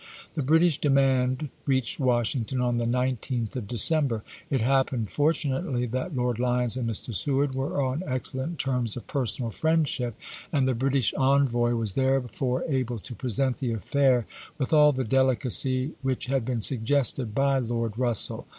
The British demand reached Washington on the 19th of December. It happened, fortunately, that Lord Lyons and Mr. Seward were on excellent terms of THE "tEENT" affair 31 personal friendship, and the British envoy was chap. ii. therefore able to present the affair with all the delicacy which had been suggested by Lord Eus sell.